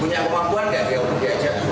punya kemampuan nggak dia mau diajak ke rumah ini